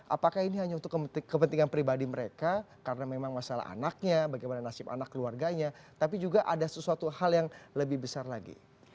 apakah ini hanya untuk kepentingan pribadi mereka karena memang masalah anaknya bagaimana nasib anak keluarganya tapi juga ada sesuatu hal yang lebih besar lagi